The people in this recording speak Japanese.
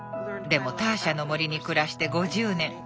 でもターシャの森に暮らして５０年。